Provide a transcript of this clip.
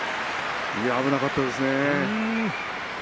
危なかったですね。